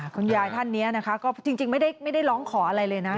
คุณยายท่านนี้นะคะก็จริงไม่ได้ร้องขออะไรเลยนะ